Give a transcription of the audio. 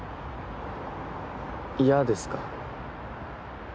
嫌ですか？